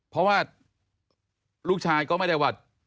เพราะว่าลูกชายก็ไม่ได้ว่า